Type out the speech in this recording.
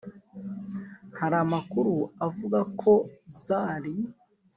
Hari amakuru avuga ko Zari